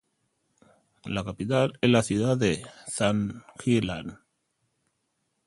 La capital es la ciudad de Zəngilan.